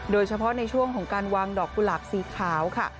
โดยเฉพาะในช่วงของการวางดอกกุหลาบสีขาวค่ะ